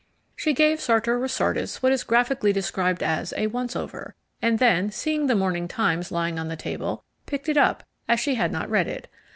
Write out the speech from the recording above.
She gave Sartor Resartus what is graphically described as a "once over," and then seeing the morning Times lying on the table, picked it up, as she had not read it.